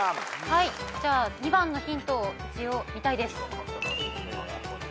じゃあ２番のヒントを一応見たいです。